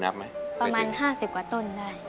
ประมาณ๕๐กว่าต้นได้